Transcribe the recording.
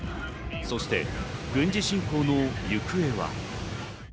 そして軍事侵攻の行方は？